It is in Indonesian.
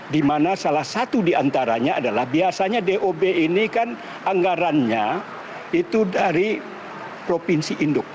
di mana salah satu di antaranya adalah biasanya dob ini kan anggarannya itu dari provinsi induk